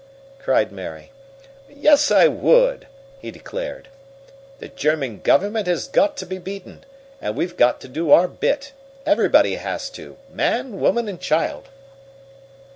cried Mary. "Yes, I would!" he declared. "The German government has got to be beaten, and we've got to do our bit; everybody has man, woman and child!"